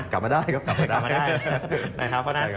กลับมาได้ใช่มั้ยกลับมาได้ครับ